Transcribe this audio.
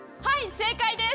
正解です。